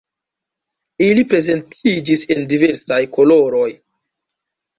Ili prezentiĝis en diversaj koloroj.